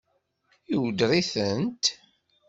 Iweddeṛ-itent?